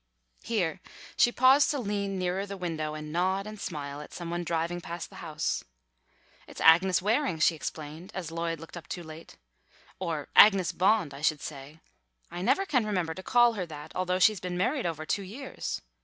Here she paused to lean nearer the window and nod and smile at some one driving past the house. "It's Agnes Waring," she explained, as Lloyd looked up too late. "Or Agnes Bond, I should say. I never can remember to call her that, although she's been married over two years.